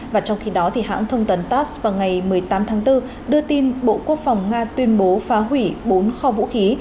và trong khi đó hãng thông tấn tass vào ngày một mươi tám tháng bốn đưa tin bộ quốc phòng nga tuyên bố phá hủy bốn kho vũ khí